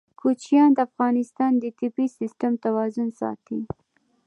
کوچیان د افغانستان د طبعي سیسټم توازن ساتي.